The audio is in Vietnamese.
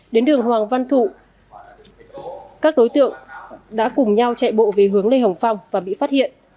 đến đường hoàng văn thụ các đối tượng đã cùng nhau chạy bộ về hướng lê hồng phong và bị phát hiện